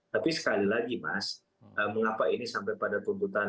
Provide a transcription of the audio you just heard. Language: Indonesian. tapi sekali lagi mas mengapa ini sampai pada tuntutan